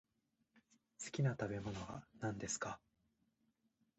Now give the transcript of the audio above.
好きな食べ物は何ですか。